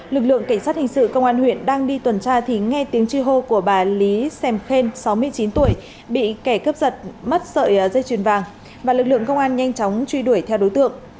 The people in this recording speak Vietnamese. lực lượng cảnh sát hình sự công an huyện đang đi tuần tra thì nghe tiếng chi hô của bà lý xem sáu mươi chín tuổi bị kẻ cướp giật mất sợi dây chuyền vàng và lực lượng công an nhanh chóng truy đuổi theo đối tượng